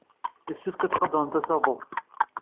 Yessefk ad tqadremt asaḍuf.